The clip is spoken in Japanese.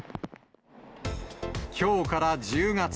きょうから１０月。